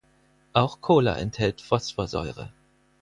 Auch Cola enthält Phosphorsäure.